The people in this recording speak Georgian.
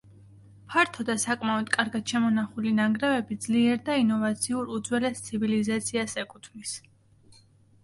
ფართო და საკმაოდ კარგად შემონახული ნანგრევები ძლიერ და ინოვაციურ უძველეს ცივილიზაციას ეკუთვნის.